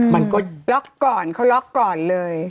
มันก็ล็อกก่อนเขาล็อกก่อนเลย